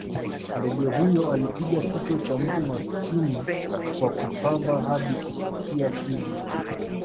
Ndege huyo alipiga kichwa cha mtu masikini kwa kupamba hadi kufikia pigo